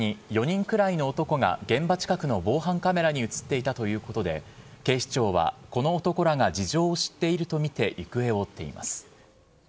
事件の直前に、４人くらいの男が現場近くの防犯カメラに写っていたということで、警視庁は、この男らが事情を知っていると見て、行方を追っています。